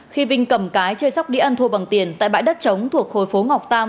khi vinh cầm cái chơi sóc đĩa ăn thua bằng tiền tại bãi đất trống thuộc khối phố ngọc tam